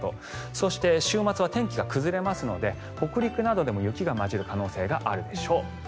そして、週末は天気が崩れますので北陸などでも雪が交じる可能性があるでしょう。